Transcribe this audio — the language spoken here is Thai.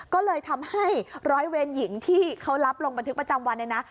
ก็เลยทำให้ร้อยเวรหญิงที่เขารับลงบันทึกประจำวันเนี่ยนะ